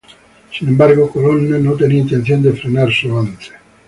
Sin embargo, Colonna no tenía intención de frenar su avance.